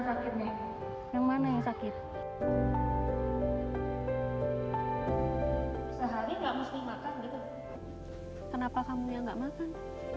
sehari enggak musti makan gitu kenapa kamu yang enggak makan